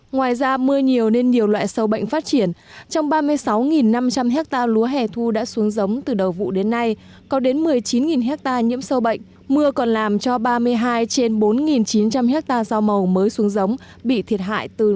ngoài ra mưa nhiều nên nhiều loại sâu bệnh phát triển trong ba mươi sáu năm trăm linh hectare lúa hẻ thu đã xuống giống từ đầu vụ đến nay có đến một mươi chín hectare nhiễm sâu bệnh mưa còn làm cho ba mươi hai trên bốn chín trăm linh hectare rau màu mới xuống giống bị thiệt hại từ ba mươi